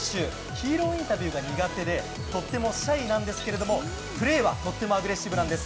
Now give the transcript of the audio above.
ヒーローインタビューが苦手でとてもシャイなのですがプレーはとてもアグレッシブなんです。